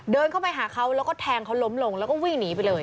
เดินเข้าไปหาเขาแล้วก็แทงเขาล้มลงแล้วก็วิ่งหนีไปเลย